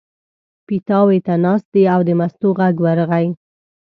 پیتاوي ته ناست دی او د مستو غږ ورغی.